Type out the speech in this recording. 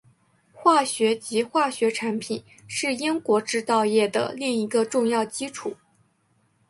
化学及化学产品是英国制造业的另一个重要基础。